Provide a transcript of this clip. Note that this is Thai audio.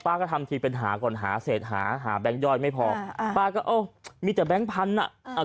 ป้าก็ทำทีเป็นหาก่อนหาเสร็จหาหาแบงค์ย่อยไม่พอป้าก็โอ้มีแต่แบงค์พันธุ์